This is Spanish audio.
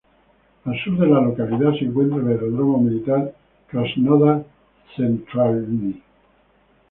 Al sur de la localidad se encuentra el aeródromo militar Krasnodar-Tsentralni.